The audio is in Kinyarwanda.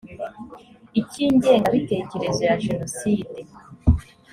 icy ingengabitekerezo ya jenoside